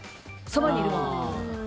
そばにいるもん。